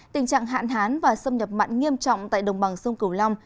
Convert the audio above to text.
tình trạng hạn hán và xâm nhập mặn nghiêm trọng tại đồng bằng sông cửu long